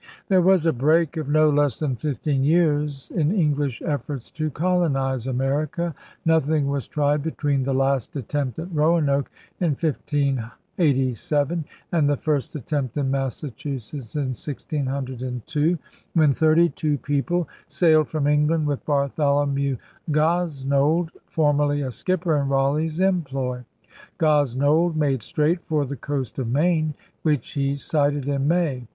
There was a break of no less than fifteen years in English efforts to colonize America. Nothing was tried between the last attempt at Roanoke in 1587 and the first attempt in Massachusetts in 1602, when thirty two people sailed from England with Bartholomew Gosnold, formerly a skipper in Raleigh's employ. Gosnold made straight for the coast of Maine, which he sighted in May.